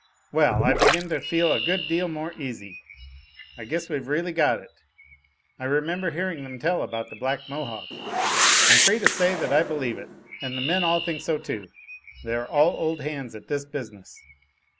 "Well, I begin to feel a good deal more easy. I guess we've really got it. I remember hearing them tell about the Black Mohawk." "I'm free to say that I believe it, and the men all think so too. They are all old hands at this business."